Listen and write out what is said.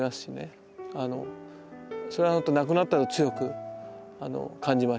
それはほんと亡くなったあと強く感じました。